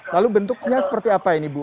lalu bentuknya seperti apa ini bu